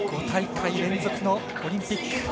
５大会連続のオリンピック。